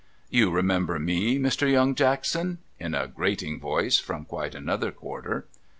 ' You remember Me, INIr. Young Jackson ?' In a grating voice from quite another quarter.